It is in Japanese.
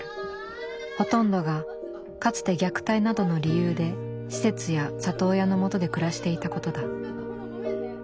ほとんどがかつて虐待などの理由で施設や里親の元で暮らしていたことだ。